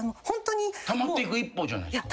たまっていく一方じゃないですか。